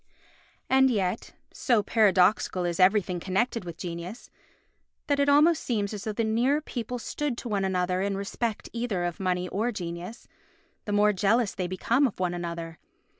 And yet, so paradoxical is everything connected with genius, that it almost seems as though the nearer people stood to one another in respect either of money or genius, the more jealous they become of one another.